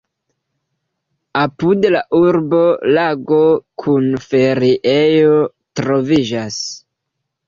Apud la urbo lago kun feriejo troviĝas.